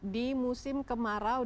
di musim kemarau